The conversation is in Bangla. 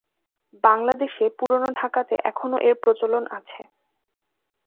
বাংলাদেশে পুরানো ঢাকাতে এখনো এর প্রচলন আছে।